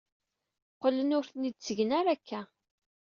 Qqlen ur ten-id-ttgen ara akka.